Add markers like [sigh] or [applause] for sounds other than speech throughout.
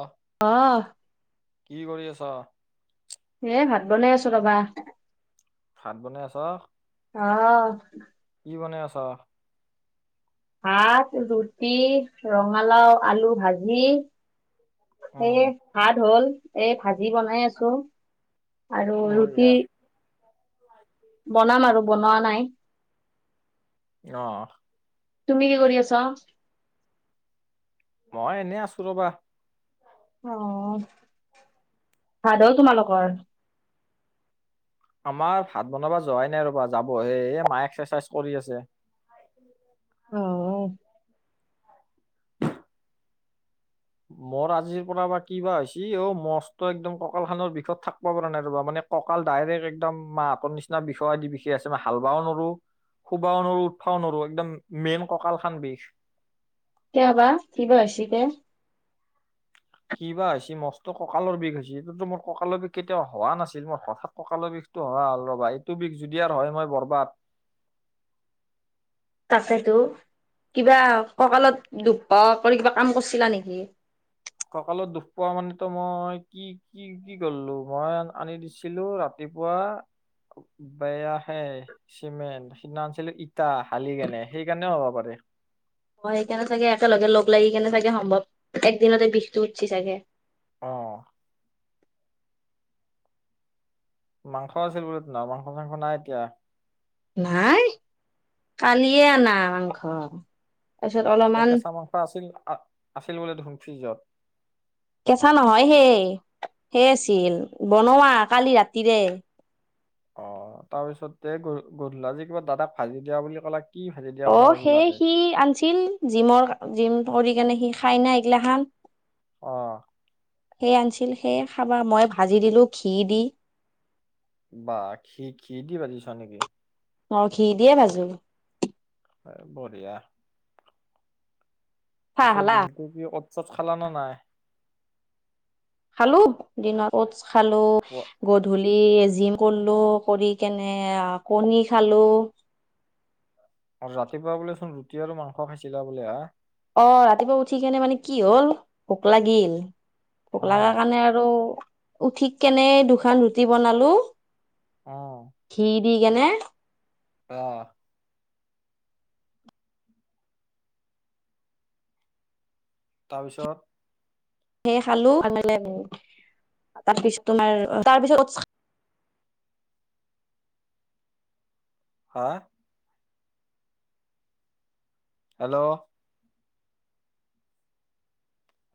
অহ আ কি কৰি আছা? এ ভাত বনাই আছো ৰবা। ভাত বনাই আছ? অঁ। কি বনাই আছ? ভাত, ৰুটি, ৰঙালাও আলু ভাজি। এ উম ভাত হ'ল। এ ভাজি বনাই আছো আৰু ৰুটি বঢ়িয়া বনাম আৰু বনোৱা নাই। অ'। তুমি কি কৰি আছা? মই এনেই আছো ৰবা। অ', ভাত হ'ল তোমাললোকৰ? আমাৰ ভাত বনাব যোৱাই নাই ৰবা যাবহে, এ মায়ে এক্সাৰচাইজ কৰি আছে। [inaudible] অ'। মোৰ আজিৰ পৰা বা কি বা হৈছে অ', মচত' একদম কঁকাল খনৰ বিষত থাকিব পৰা নাই ৰ'বা মানে। কঁকাল ডাইৰেক্ট একদম মা আঁতৰ নিচিনা বিষায় আদি বিষায় আছে মই হাল বাও নৱাৰো। শুবাও নোৱাৰো উঠবাও নোৱাৰো একদম মেইন কঁকাল খান বিষ। কিয় বা কিবা হৈছি দে কিবা হৈছি মস্ত কঁকালৰ বিষ হৈছে, এইটোটো মোৰ কঁকালৰ বিষ কেতিয়াও হোৱা নাছিল মোৰ হঠাৎ কঁকালৰ বিষটো হয় ৰ'বা এইটো বিষ যদি আৰু হয় মই বৰবাত। তাকেতো কিবা ককালত দুখ পোৱা কৰি কিবা কাম কৰিছিলা নেকি? কঁকালত দুখ পোৱা মানেতো মই কি কি কি কৰিলো মই আনি দিছিলো ৰাতিপুৱা বেয়া হে চিমেণ্ট সিদিনা আনিছিলো ইটা হালি কেনে সেইকাৰণেও হ'ব পাৰে। হয় সেইকাৰণে চাগে একেলগে লগ লাগি কেনে চাগে সম্ভৱ একদিনতে বিষটো উঠিছে চাগে। অঁ। মাংস আছিল বোলে [unintelligible] মাংস চাংস নাই এতিয়া। নাই, কালিয়ে আনা মাংস। তাৰপাচত অলপ কেঁচা মাংস আছিল, আছিল বোলে দেখোন ফ্ৰিজত। কেঁচা নহয় সেই, সেই আছিল বনোৱা কালি ৰাতিৰে। অঁ' তাৰ পিছতে গধূলা আজি কিবা দাদাক ভাজি দিয়া বুলি কলা। কি ভাজি দিয়া কথা অঁ' কৈছিলা সেই তাতে সি আনিছিল জিমৰ জিম কৰি কেনে সি খাই না এইগিলাখান। অঁ। সেই আনিছিল সেইয়ে খাবা মই ভাজি দিলোঁ ঘি দি। বাহ, ঘি, ঘি দি ভাজিছ নেকি? মই ঘি দিয়ে ভাজো। বঢ়িয়া। চাহ পিছে খালা দিনটো কি অত চত খালা নে নাই? খালো দিনতো খালো, ব- গধূলি জিম কৰিলো, কৰি কেনে কণী খালো। আৰু ৰাতিপুৱা বোলে চোন ৰুটি আৰু মাংস খাইছিলা বোলে হা। অঁ' ৰাতিপুৱা উঠি কেনে মানে কি হ'ল ভোক লাগিল। ভোক অ লগা কাৰণে আৰু উঠি কেনে দুখন ৰুটি বনালো। অ ঘি দি কেনে। আহ'। তাৰ পিছত? সেই খালো [unintelligible] তাৰে পিছৰটো নাই আৰু তাৰপিছত [unintelligible] হা? হেল্ল'।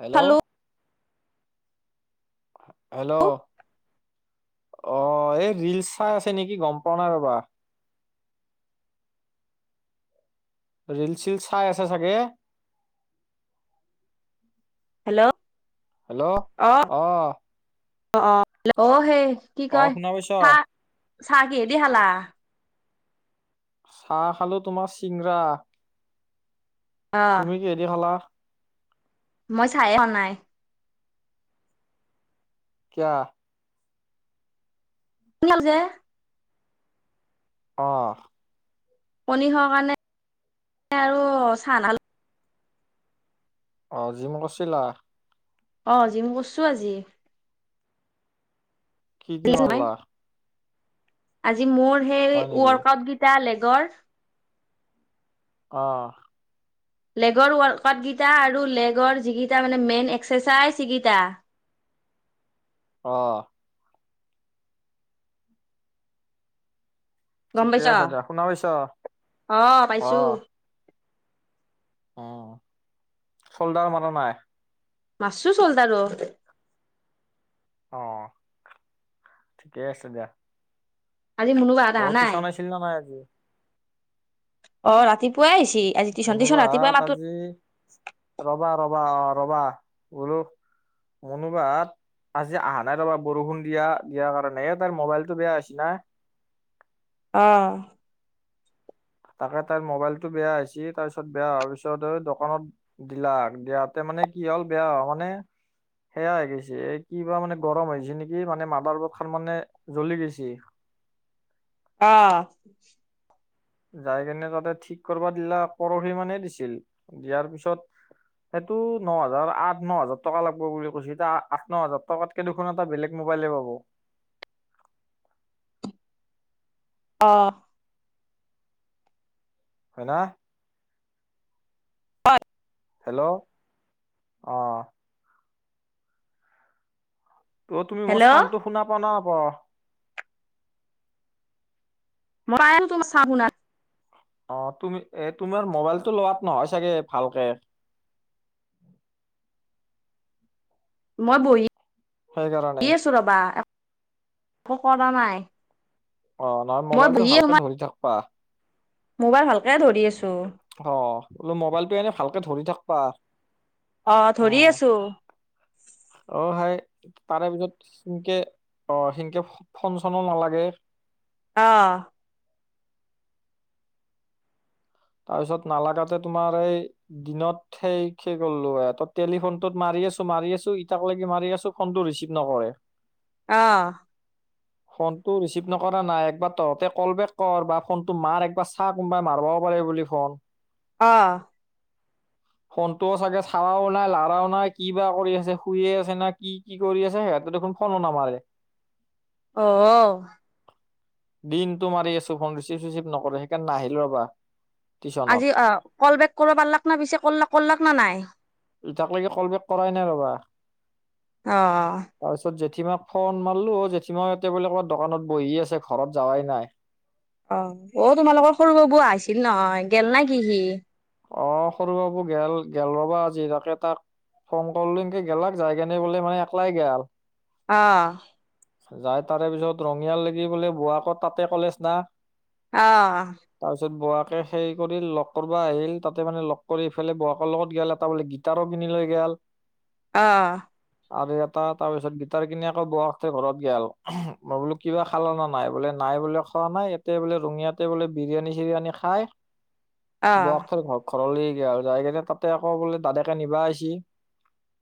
হেল্ল'। খালো হেল্ল' অঁ' এই ৰিলছ চাই আছে নেকি গম পোৱা নাই ৰ'বা। ৰিলছ চিলছ চাই আছে চাগে। হেল্ল'। হেল্ল' অঁ'। অঁ' সেই কি অ কয়, শুনা পাইছ চাহ-চাহ কিহেদি খালা? চাহ খালো তোমাৰ চিংৰা। অ'। তুমি কিহেদি খালা? মই চাহে খোৱা নাই। কিয়? [unintelligible] অঁ। কনী খোৱা কাৰণে [unintelligible] আৰু চাহ নাখালোঁ। অঁ' জিম গৈছিলা? অঁ' জিম গৈছোঁ আজি। কি কি মই মাৰিলা? আজি মোৰ সেই হয় নেকি ৱৰ্কআউট কেইটা লেগৰ। অঁ। লেগৰ ৱৰ্কআউট কেইটা আৰু লেগৰ যিকেইটা মানে মেইন এক্সাৰচাইজ সিকিটা। অ। গম ঠিকে পাইছ, আছে দিয়া শুনা পাইছা অ পাইছোঁ। উম, ফল্ডাৰ মাৰা নাই। মাছো, চল তা লগতে [unintelligible] অ, ঠিকেই আছে দিয়া। আজি মুনু বা হত আহা নাই? আহিল না নাই আজি। অ ৰাতিপুৱাই আইছি। মুনু বা হত আজি ৰবা ৰবা অ ৰবা বোলো। মুনু বা, আজি আহা নাই ত পৰা বৰষুণ দিয়া দিয়াৰ কাৰণে। তাৰ মোবাইলতটো বেয়া হৈছি না। অ। তাকে তাইৰ মোবাইলটো বেয়া হৈছি তাৰ পিছত বেয়া হোৱাৰ পিছত দোকানত, দিলাক দিয়াতে মানে কি হ'ল বেয়া, মানে সেয়া হৈ গৈছে এই কিবা মানে গৰম হৈছে নেকি মানে মাদাৰ বৰ্ড খান মানে জ্বলি গৈছি। অ, যাই কেনে তাতে ঠিক কৰিবা দিলাক পৰহি মানে দিছিল দিয়াৰ পিছত, সেইটো ন হাজাৰ আঠ ন হাজাৰ টকা লাগব বুলি কৈছো এতিয়া আঠ ন হাজাৰ টকাত। দুখন এটা বেলেগ মোবাইলে পাব। অ' হয় না। হয়াত [unintelligible] হেল্ল' অ। ত' তুমি মোৰ হেল্ল' চাউণ্ডটো শুনা পাও না নাপাও মই আহ তোমাৰ চা বনাও অ তুমি এ তোমাৰ মোবাইলতটো লোৱাত নহয় চাগে ভালকে, মই বহি সেইকাৰনে। আছো ৰবা, একো কৰা নাই। অ নহয়, মই মোবাইল টো বহিয়ে ভালকে তোমাৰ ধৰি থাকবা। মোবাইল ভালকৈ ধৰি আছোঁ। অ, বোলো মোবাইলটো এনেই ভালকে ধৰি থাকবা। অ, ধৰি আছোঁ। অ সেই তাৰে পিছত সেনকে অ সেনকে ফন চনো নালাগে। অহ। তাৰপিছত নালাগাতে তোমাৰ এই দিনত সেই কি কলো এ তই টেলিফোন টোত মাৰি আছো মাৰি আছো, ইটাক লাগি মাৰি আছো ফোন টো ৰিচিভ নকৰে। [inaudible] অহ। [inaudible] ফোন টো ৰিচিভ নকৰা নাই একবাৰ তহঁতে কল বেক কৰ বা ফোনটো মাৰ একবাৰ চা কোনোবা মাৰব। কৰে বুলি ফোন। অঁহ। ফোনটোও চাগে চাৱাও নাই লাৰাও নাই কি বা কৰি আছে, শুইে আছে না কি কি কৰি আছে সিহঁতে দেখোন। ফনো নামাৰে অ দিনতটো মাৰি আছো ফোন ৰিচিভ চিচিভ নকৰে সেইকাৰণে নাহিলোঁ ৰ'বা টিউচনত আজি কল বেক কৰবা পাৰলাক না পিছে কৰলাক কৰলাক না নাই ইটাক লগি কল বেক কৰাই নাই ৰবা অ তাৰপিছত জেঠীমাক ফোন মাৰলো জেঠীমা [unintelligible] লো [unintelligible] দোকানত বহি আছে ঘৰত যাৱাই নাই অ অ তোমালোকৰ সৰু বাবু আহিছিল নহয় গেল না কি সি? অ সৰু বাবু গেল গেল ৰবা আজি তাকে তাক ফোন [unintelligible] [unintelligible] গেলাক জাই [unintelligible] বোলে মানে একলাই গেল অ যাই তাৰে পিছত ৰঙিয়াল [unintelligible] বোলে বোৱাকৰ তাতে কলেজ না অ তাৰপিছত [unintelligible] সেই কৰি লগ [unintelligible] আহিল তাতে মানে লগ কৰি ইফালে [unintelligible] লগত গেল [unintelligible] [unintelligible] [unintelligible] লৈ গেল অঁ আৰু এটা তাৰপিছত গিটাৰ কিনি আকৌ [unintelligible] তাতে ঘৰত গ হ'ল মই বোলো কিবা খাল ন নাই বোলে নাই বোলে খোৱা নাই ইতে বোলে ৰঙিয়াত [unintelligible] বোলে বিৰিয়ানী চিৰিয়ানী খায় অ অ [unintelligible] [unintelligible] ঘৰলৈ [unintelligible] যায়কেনে তাতে আকৌ বোলে দাদেকে নিবা আইছি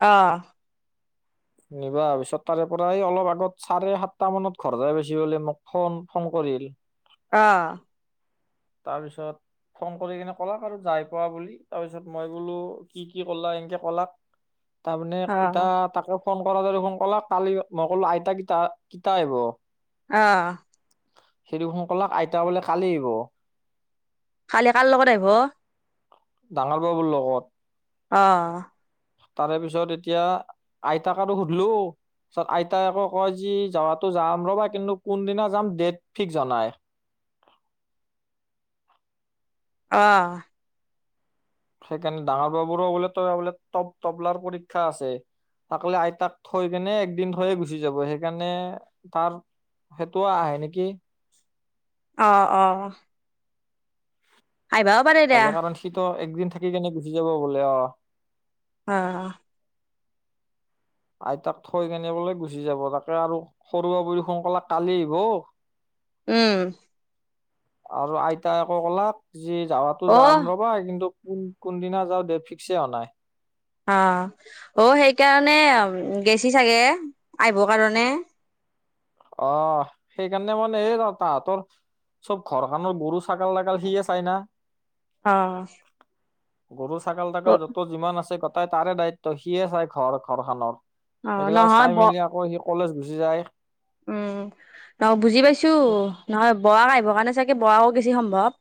অঁ নিবা আহা পিছত তাৰে পৰা অলপ [unintelligible] [unintelligible] চাৰে সাতটা মানত ঘৰ যায় পাইচি বুলি মোক ফোন ফোন কৰিল অ তাপিছত ফোন কৰি কিনে ক'লাক আৰু যাই পোৱা বুলি তাৰপিছত মই বোলো কি কি ক'লা [unintelligible] ক'লাক তামানে অ অ ইতা তাকে ফোন [unintelligible] [unintelligible] ফোন কৰলাক কালি মই ক'লো আই [unintelligible] কিতা আহিব? অ সি [unintelligible] কলাক আইতা বোলে কালি আহিব কালি [unintelligible] লগত আহিব? ডাঙৰ বাবুৰ লগত অ তাৰে পিছত এতিয়া আইতাক আৰু সুধলো [unintelligible] আইতাই আকৌ কয় যি যোৱাটো যাম ৰ'বা কিন্তু কোনদিনা যাম ডেট ফিক্স হোৱা নাই অ সেইকাৰণে ডাঙৰ বাবুৰো বোলে [unintelligible] বোলে তপ- তপলাৰ পৰীক্ষা আছে [unintelligible] আইতাক থৈ কেনে একদিন থৈয়ে গুচি যাব সেইকাৰণে [unintelligible] সেইটোও আহে নেকি অ অ [unintelligible] [unintelligible] কাৰণ সিটো একদিন থাকি কেনে গুচি যাব বোলে অ অ আইতাক থৈ কেনে বোলে গুচি যাব তাকে আৰু সৰু বাবু [unintelligible] [unintelligible] কালি আইভো উম আৰু আইতাই আকৌ ক'লাক যি যাৱাটো যাম অ', ৰ'বা কিন্তু- কোন-কোনদিনা যাওঁ ডেট ফিক্সে হোৱা নাই। অঁহ', -অ' সেইকাৰণে গৈছে চাগে আহিব কাৰণে। অ' সেইকাৰণে মানে গম পাওঁ। চব ঘৰখনৰ গৰু, ছাগলী বিলাক সিয়ে চাই না। অঁহ। গৰু, ছাগলী, তাকাল য'ত যিমান আছে গোতেই তাৰে দায়িত্ব সিয়ে চাই ঘৰ- অ ঘৰখনৰ। [unintelligible] নহয় চাই ব মেলি আকৌ সি কলেজ গুচি যায়। উম [unintelligible] বুজি পাইছো নহয় [unintelligible] আহিবৰ কাৰণে চাগে [unintelligible] বেছি সম্ভৱ।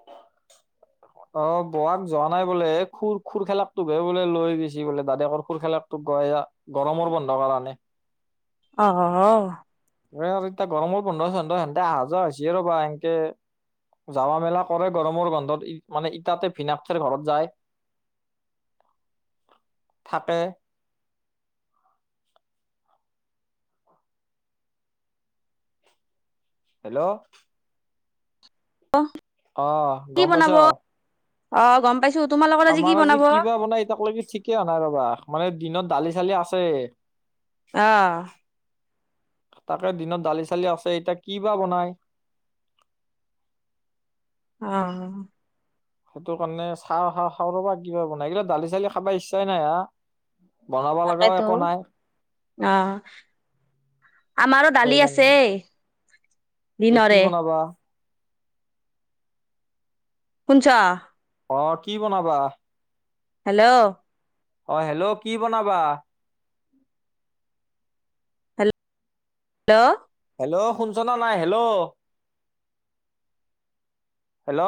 [inaudible] অ' বোৱাক যোৱা নাই বোলে, এই খুল-খুলখেলাক তোকহে বোলে লৈ গৈছে বোলে দাদেকৰ খুলখালাক। ত' গ-গৰমৰ বন্ধ কাৰণে। অহ', -অহ', -অহ', -। এ' এতিয়া গৰমৰ বন্ধ-সন্ধ সেহতে অহ', যোৱা হৈছিয়ে ৰ'বা এনকে। যাৱা মেলা কৰে গৰমৰ বন্ধত ই মানে ইটাতে ভিনিয়েকৰ ঘৰত যায়। থাকে। হেল্ল'। অহ। অ' গম পাইছ। অ', গম পাইছো তোমালোকৰ আমাৰ আজি বনাব? কি বা বনাই এতিয়ালৈকে ঠিক ক হ নাই ৰবা মানে দিনত দালি-চালি আছে। অ। তাকে দিনত দালি-চালি আছে, এতিয়া কি বা বনাই। অহ। সেইটো কাৰণে চাও খা-খাও ৰ'বা কিবা বনাই, এইগিলা দালি- চালি খাবা ইচ্ছাই নাই আহ। তাকেতো, আহ আমাৰো দালি আছেই। এ কি বনাবা? শুনিছা? অ', কি বনাবা? হেল্ল'। অ' হেল্ল' কি বনাবা? হেল্ল'। হেল্ল'- শুনছ নে নাই? Hello, hello.